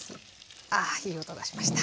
あいい音がしました。